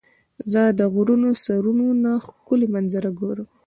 زه د غرونو د سرونو نه ښکلي منظره ګورم.